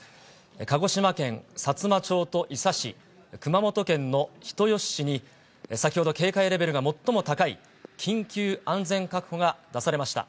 鹿児島県さつま町と伊佐市、熊本県の人吉市に、先ほど警戒レベルが最も高い、緊急安全確保が出されました。